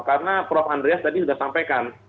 karena prof andreas tadi sudah sampaikan